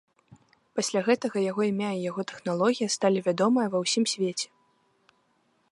Пасля гэтага яго імя і яго тэхналогія сталі вядомыя ва ўсім свеце.